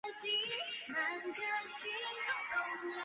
信用卡提现包括两类。